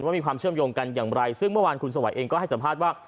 ว่ามีความเชื่อมโยงกันอย่างไรซึ่งเมื่อวานคุณสวัยเองก็ให้สัมภาษณ์ว่า